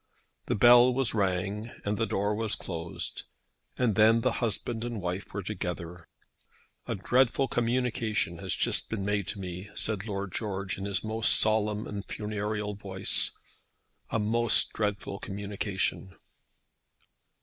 The bell was rang and the door was closed, and then the husband and wife were together. "A dreadful communication has just been made to me," said Lord George in his most solemn and funereal voice; "a most dreadful communication!"